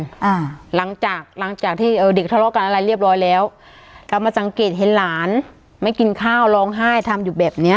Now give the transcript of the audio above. หลังจากหลังจากที่เออเด็กทะเลาะกันอะไรเรียบร้อยแล้วกลับมาสังเกตเห็นหลานไม่กินข้าวร้องไห้ทำอยู่แบบเนี้ย